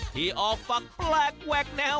ที่ออกฝั่งแปลกแวกแนว